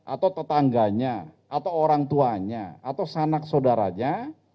atau tetangganya atau orang tuanya atau sanak saudaranya